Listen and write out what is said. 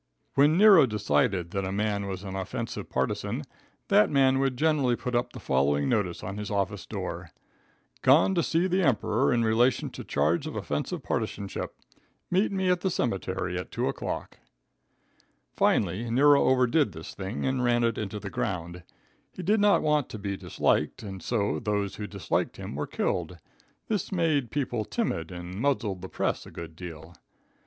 When Nero decided that a man was an offensive partisan, that man would generally put up the following notice on his office door: "Gone to see the Emperor in relation to charge of offensive partisanship. Meet me at the cemetery at 2 o'clock." Finally, Nero overdid this thing and ran it into the ground. He did not want to be disliked and so, those who disliked him were killed. This made people timid and muzzled the press a good deal.